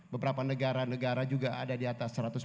beberapa negara negara juga ada di atas